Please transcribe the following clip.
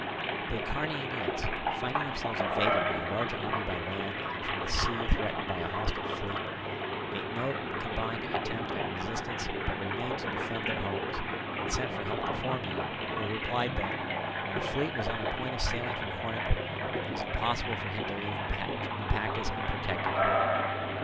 The Acarnanians, finding themselves invaded by a large army by land, and from the sea threatened by a hostile fleet, made no combined attempt at resistance, but remained to defend their homes, and sent for help to Phormio, who replied that, when a fleet was on the point of sailing from Corinth, it was impossible for him to leave Naupactus unprotected.